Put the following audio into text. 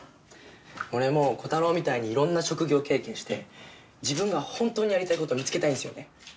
俺もコタローみたいにいろんな職業経験して自分が本当にやりたい事見つけたいんすよね。